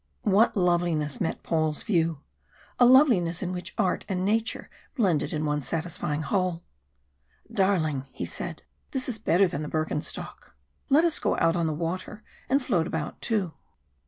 What loveliness met Paul's view! A loveliness in which art and nature blended in one satisfying whole. "Darling," he said, "this is better than the Bürgenstock. Let us go out on the water and float about, too."